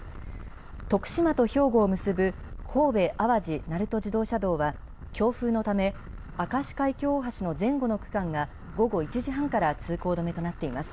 徳島と兵庫を結ぶ神戸淡路鳴門自動車道は、強風のため、明石海峡大橋の前後の区間が、午後１時半から通行止めとなっています。